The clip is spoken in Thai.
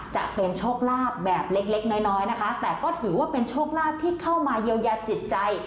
จะเป็นโชคลาภแบบเล็กเล็กน้อยน้อยนะคะแต่ก็ถือว่าเป็นโชคลาภที่เข้ามาเยียวยาจิตใจ